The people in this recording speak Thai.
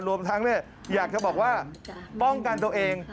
รวมทั้งอยากจะบอกว่าป้องกันตัวเอง